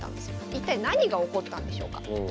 一体何が起こったんでしょうか。